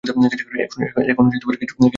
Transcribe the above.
এখন কিছু দিতে হয় না।